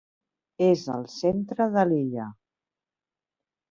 És al centre de l'illa.